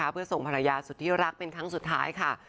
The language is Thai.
เพื่อส่งภรรยาสุดที่รักเป็นครั้งสุดท้ายค่ะ